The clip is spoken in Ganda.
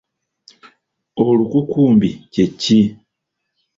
Olukukumbi kye ki?